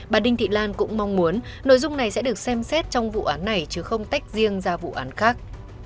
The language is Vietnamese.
bà đinh thị lan cũng mong muốn nội dung này sẽ được xem xét trong vụ án này chứ không tách riêng ra vụ án khác